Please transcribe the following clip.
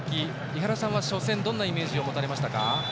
井原さんは、初戦どんなイメージを持たれましたか。